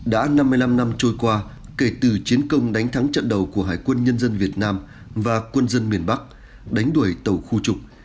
đã năm mươi năm năm trôi qua kể từ chiến công đánh thắng trận đầu của hải quân nhân dân việt nam và quân dân miền bắc đánh đuổi tàu khu trục